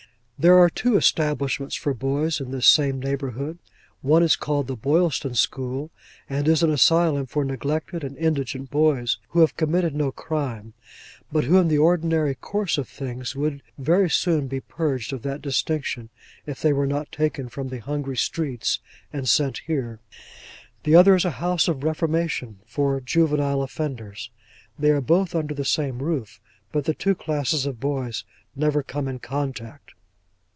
There are two establishments for boys in this same neighbourhood. One is called the Boylston school, and is an asylum for neglected and indigent boys who have committed no crime, but who in the ordinary course of things would very soon be purged of that distinction if they were not taken from the hungry streets and sent here. The other is a House of Reformation for Juvenile Offenders. They are both under the same roof, but the two classes of boys never come in contact.